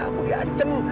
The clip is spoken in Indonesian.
aku di ancem